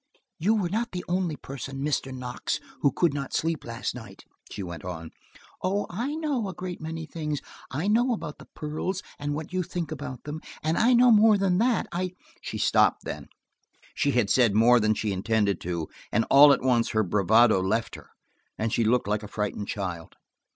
"You were not the only person, Mr. Knox, who could not sleep last night," she went on. "Oh, I know a great many things. I know about the pearls, and what you think about them, and I know more than that, I–" She stopped then. She had said more than she intended to, and all at once her bravado left her, and she looked like a frightened child.